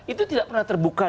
itu tidak pernah terbuka